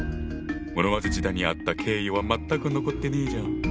室町時代にあった敬意は全く残ってねえじゃん！